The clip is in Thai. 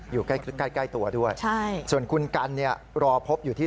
อยู่ใกล้ใกล้ตัวด้วยใช่ส่วนคุณกันเนี่ยรอพบอยู่ที่